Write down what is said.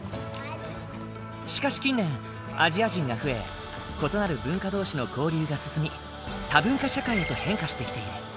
しかし近年アジア人が増え異なる文化同士の交流が進み多文化社会へと変化してきている。